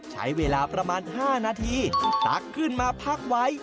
ใช้เวลาประมาณ๕นาทีตักขึ้นมาพักไว้